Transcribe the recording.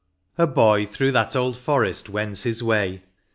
A BOY through that old forest wends his way.